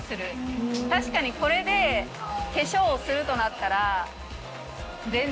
確かにこれで化粧をするとなったら。